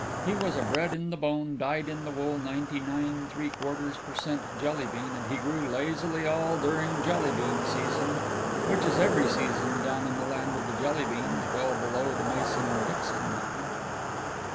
He was a bred in the bone, dyed in the wool, ninety nine three quarters per cent Jelly bean and he grew lazily all during Jelly bean season, which is every season, down in the land of the Jelly beans well below the Mason Dixon line.